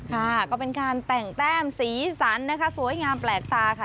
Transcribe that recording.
ค่ะก็เป็นการแต่งแต้มสีสันนะคะสวยงามแปลกตาค่ะ